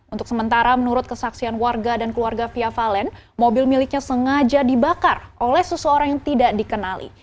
untuk sementara menurut kesaksian warga dan keluarga fia valen mobil miliknya sengaja dibakar oleh seseorang yang tidak dikenali